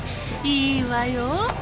いいわよ。